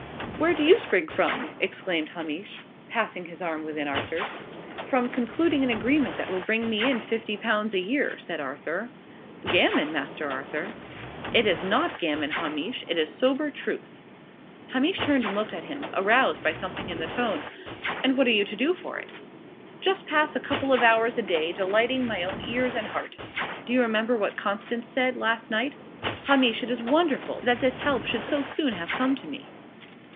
"Where do you spring from?" exclaimed Hamish, passing his arm within Arthur's. "From concluding an agreement that will bring me in fifty pounds a year," said Arthur. "Gammon, Master Arthur!" "It is not gammon, Hamish. It is sober truth." Hamish turned and looked at him, aroused by something in the tone. "And what are you to do for it?" "Just pass a couple of hours a day, delighting my own ears and heart. Do you remember what Constance said, last night? Hamish, it is wonderful, that this help should so soon have come to me!"